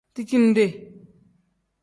Dijinde.